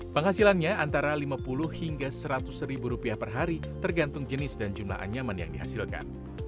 penghasilannya antara lima puluh hingga seratus ribu rupiah per hari tergantung jenis dan jumlah anyaman yang dihasilkan